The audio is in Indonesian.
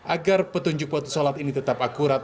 agar petunjuk foto sholat ini tetap akurat